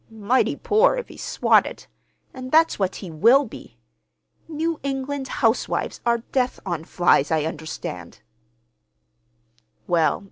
"Mighty poor, if he's swatted—and that's what he will be! New England housewives are death on flies, I understand."